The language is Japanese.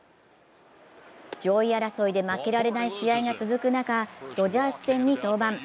上位争いで負けられない試合が続く中、ドジャース戦に登板。